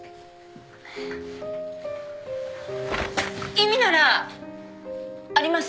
意味ならあります